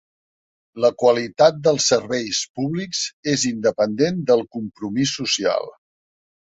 La qualitat dels serveis públics és independent del compromís social.